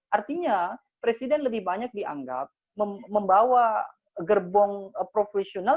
artinya presiden lebih banyak dianggap membawa gerbong profesional